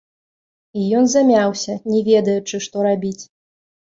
І ён замяўся, не ведаючы, што рабіць.